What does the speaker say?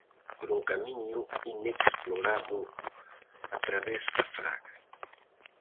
Por un camiño inexplorado a través da fraga.